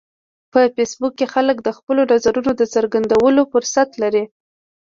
په فېسبوک کې خلک د خپلو نظرونو د څرګندولو فرصت لري